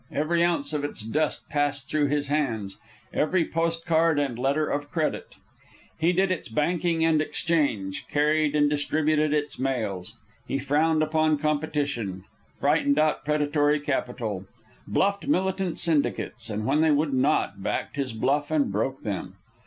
Every ounce of its dust passed through his hands; every post card and letter of credit. He did its banking and exchange; carried and distributed its mails. He frowned upon competition; frightened out predatory capital; bluffed militant syndicates, and when they would not, backed his bluff and broke them.